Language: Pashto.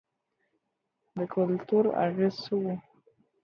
د کلتور اغېز څه و؟